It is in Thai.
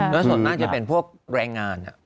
นั่นส่วนหน้าน่าจะเป็นพวกแรงงาน